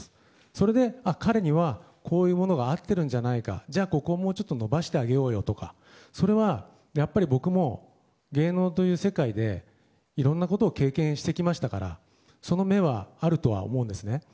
それで、彼にはこういうものが合ってるんじゃないかじゃあ、ここをもうちょっと伸ばしてあげようとかそれはやっぱり僕も芸能という世界でいろんなことを経験してきましたからその目はあるとは思うんですね。